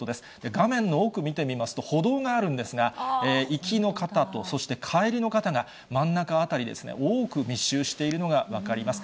画面の奥見てみますと、歩道があるんですが、行きの方と、そして帰りの方が真ん中辺りですね、多く密集しているのが分かります。